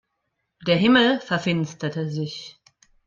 Der Himmel verfinsterte sich.